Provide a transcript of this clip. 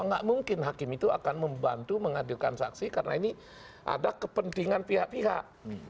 nggak mungkin hakim itu akan membantu menghadirkan saksi karena ini ada kepentingan pihak pihak